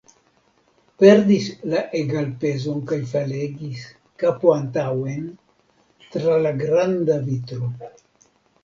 Perdis la egalpezon kaj falegis, kapo antaŭen, tra la granda vitro.